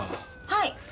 はい。